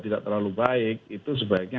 tidak terlalu baik itu sebaiknya